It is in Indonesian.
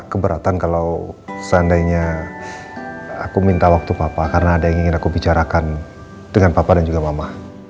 keberatan kalau seandainya aku minta waktu papa karena ada yang ingin aku bicarakan dengan papa dan juga mama